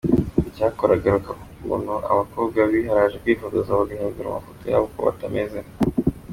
Icyakora agaruka ku kuntu abakobwa biharaje kwifotoza bagahindura amafoto yabo uko batameze.